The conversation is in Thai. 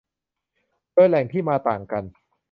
โดยแหล่งที่มาต่างกัน